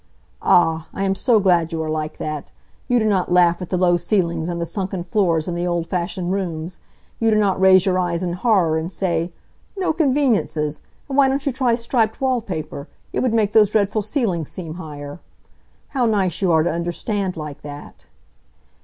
"Ah, I am so glad you are like that. You do not laugh at the low ceilings, and the sunken floors, and the old fashioned rooms. You do not raise your eyes in horror and say: 'No conveniences! And why don't you try striped wall paper? It would make those dreadful ceilings seem higher.' How nice you are to understand like that!"